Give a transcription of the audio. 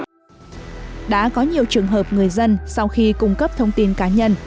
đã có nhiều trường hợp người dân sau khi cung cấp thông tin cá nhân